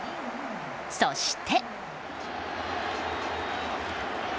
そして。